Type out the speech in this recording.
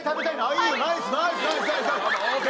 いいよ！